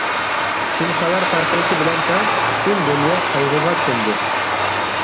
شۇم خەۋەر تارقىلىشى بىلەن تەڭ، پۈتۈن دۇنيا قايغۇغا چۆمدى.